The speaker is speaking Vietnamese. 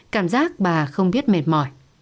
cảm giác bà không biết mệt mỏi